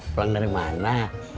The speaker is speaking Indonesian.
pulang dari mana